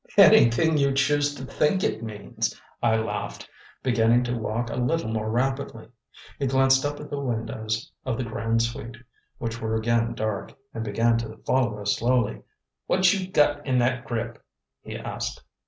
"Anything you choose to think it means," I laughed, beginning to walk a little more rapidly. He glanced up at the windows of the "Grande Suite," which were again dark, and began to follow us slowly. "What you gut in that grip?" he asked.